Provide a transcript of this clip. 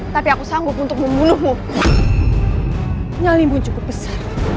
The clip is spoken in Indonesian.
dan selamatkan mereka dari badan mereka